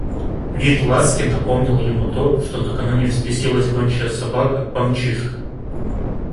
Вид Ласки напомнил ему то, что накануне взбесилась гончая собака, Помчишка.